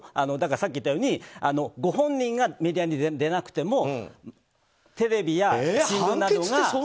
さっき言ったようにご本人がメディアに出なくてもテレビや新聞などが。